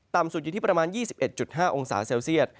สุดอยู่ที่ประมาณ๒๑๕องศาเซลเซียต